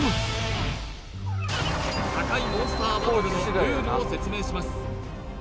モンスターバトルのルールを説明します